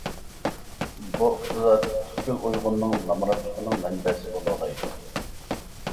بۇ ئىقتىساد پۈتكۈل ئۇيغۇرنىڭ نامراتلىقىنىڭ مەنبەسى بولالايدۇ.